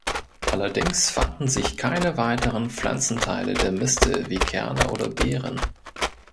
Allerdings fanden sich keine weiteren Pflanzenteile der Mistel wie Kerne oder Beeren.